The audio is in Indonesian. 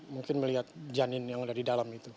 mungkin melihat janin yang ada di dalam itu